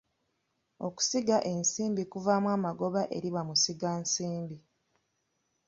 Okusiga ensimbi kuvaamu amagoba eri bamusigansimbi.